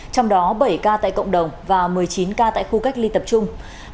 trong đó bảy ca tại cộng đồng và một mươi chín ca tại khu cách ly tập trung